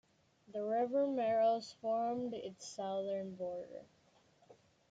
The river Maros formed its southern border.